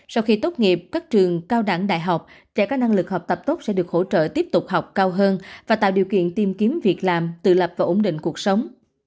sau khi tốt nghiệp các trường cao đẳng đại học trẻ có năng lực học tập tốt sẽ được hỗ trợ tiếp tục học cao hơn và tạo điều kiện tìm kiếm việc làm tự lập và ổn định cuộc sống